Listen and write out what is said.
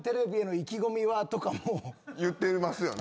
言ってますよね。